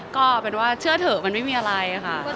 จนถึงวันที่แบบ